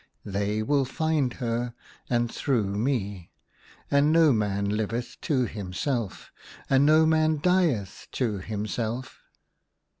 They will find her, and through m.e ! And no man liveth to himself, and no man dieth to himself."